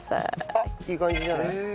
あっいい感じじゃない？